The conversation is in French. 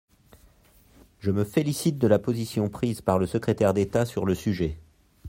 Je me félicite de la position prise par le secrétaire d’État sur le sujet.